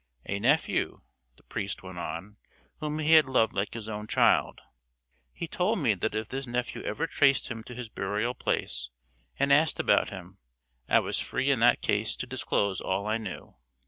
"A nephew," the priest went on, "whom he had loved like his own child. He told me that if this nephew ever traced him to his burial place, and asked about him, I was free in that case to disclose all I knew.